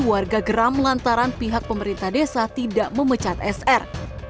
warga geram lantaran pihak pemerintah desa tidak memecat sr